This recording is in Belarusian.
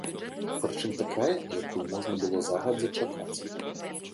Прычым такая, якую можна было загадзя чакаць.